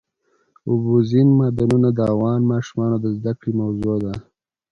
اوبزین معدنونه د افغان ماشومانو د زده کړې موضوع ده.